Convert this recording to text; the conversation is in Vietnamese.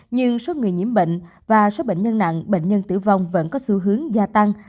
nhưng số người nhiễm bệnh và số bệnh nhân nặng bệnh nhân tử vong vẫn có xu hướng gia tăng